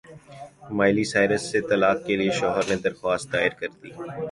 Miley Cyrus سے طلاق کے لیے شوہر نے درخواست دائر کردی